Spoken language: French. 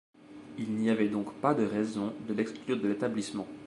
Il n'y avait donc pas de raison de l'exclure de l'établissement.